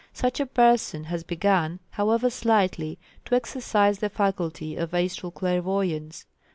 Such a person has begun, however slightly, to exercise the faculty of astral clairvoyance.